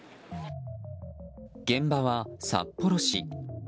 現場は札幌市。